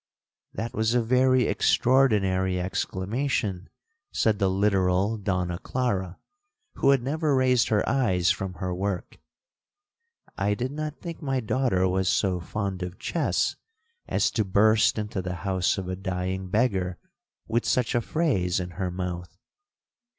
'That was a very extraordinary exclamation!' said the literal Donna Clara, who had never raised her eyes from her work.—'I did not think my daughter was so fond of chess as to burst into the house of a dying beggar with such a phrase in her mouth.'